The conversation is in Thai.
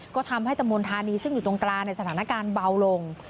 ก็ทำให้ตะมนธานีซึ่งอยู่ตรงกลางในสถานการณ์เบาลง